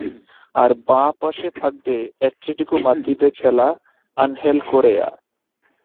আর বাঁ পাশে থাকবে অ্যাটলেটিকো মাদ্রিদে খেলা আনহেল কোরেয়া।